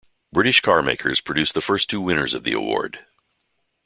British carmakers produced the first two winners of the award.